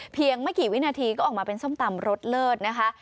ไม่กี่วินาทีก็ออกมาเป็นส้มตำรสเลิศนะคะ